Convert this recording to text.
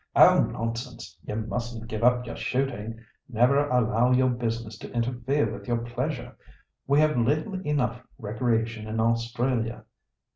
"Oh! nonsense; you mustn't give up your shooting. 'Never allow your business to interfere with your pleasure'; we have little enough recreation in Australia.